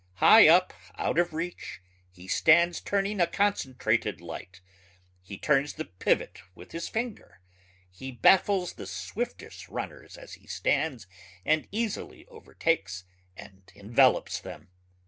High up out of reach he stands turning a concentrated light ... he turns the pivot with his finger ... he baffles the swiftest runners as he stands and easily overtakes and envelopes them.